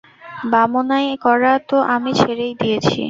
বামনাই করা তো আমি ছেড়েই দিয়েছি।